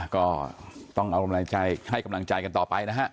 ก็ต้องเอากำลังใจให้กำลังใจกันต่อไปนะฮะ